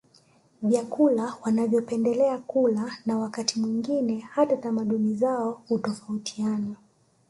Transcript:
Vyakula wanavyopendelea kula na wakati mwingine hata tamaduni zao utofautiana